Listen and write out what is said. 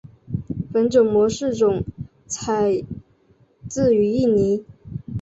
本种模式种采自于印尼。